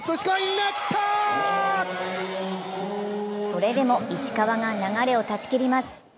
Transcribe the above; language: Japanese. それでも石川が流れを断ち切ります。